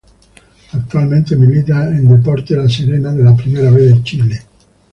Actualmente milita en Deportes La Serena de la Primera B de Chile.